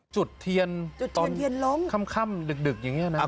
จุดเทียนตอนค่ำดึกอย่างนี้นะ